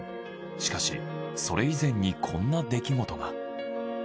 しかしそれ以前にこんな出来事が。